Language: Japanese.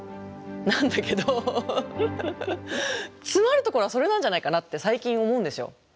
なんだけどつまるところはそれなんじゃないかなって最近思うんですよ。